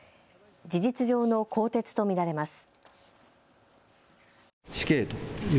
事実上の更迭と見られます。